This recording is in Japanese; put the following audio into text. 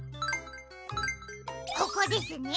ここですね。